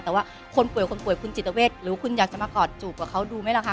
แต่ว่าคนป่วยคนป่วยคุณจิตเวทหรือคุณอยากจะมากอดจูบกับเขาดูไหมล่ะคะ